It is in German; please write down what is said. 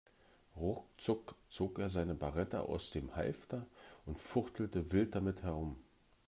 Ruckzuck zog er seine Beretta aus dem Halfter und fuchtelte wild damit herum.